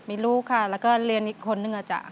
มีลูกค่ะแล้วก็เรียนอีกคนนึงอะจ๊ะ